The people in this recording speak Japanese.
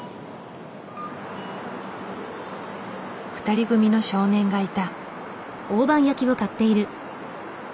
２人組の少年がいた。